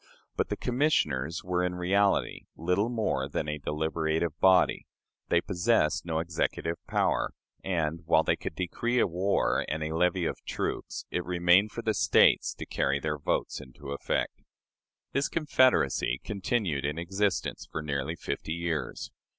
But the commissioners were in reality little more than a deliberative body; they possessed no executive power, and, while they could decree a war and a levy of troops, it remained for the States to carry their votes into effect." This confederacy continued in existence for nearly fifty years.